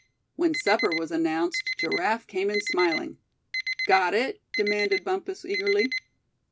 When supper was announced Giraffe came in smiling. "Got it?" demanded Bumpus, eagerly.